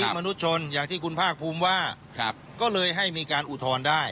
มนุษยชนอย่างที่คุณภาคภูมิว่าก็เลยให้มีการอุทธรณ์ได้